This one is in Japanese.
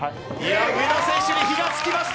上田選手に火がつきました。